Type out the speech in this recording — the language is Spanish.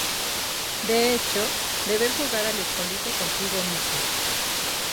De hecho, deber jugar al escondite contigo mismo.